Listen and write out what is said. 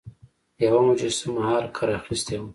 یوه مجسمه هارکر اخیستې وه.